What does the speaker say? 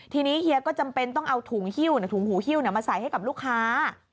ทีนี้เฮียก็จำเป็นต้องเอาถุงหิ้วถุงหูฮิ้วมาใส่ให้กับลูกค้า